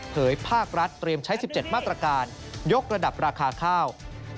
ภาครัฐเตรียมใช้๑๗มาตรการยกระดับราคาข้าว